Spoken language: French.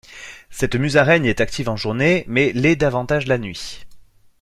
Cette musaraigne est active en journée, mais l'est davantage la nuit.